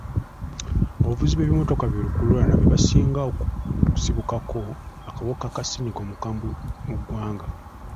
Abavuzi b'ebimmotoka bi lukululana be basinga okusibukako akawuka ka ssenyiga omukambwe mu ggwanga.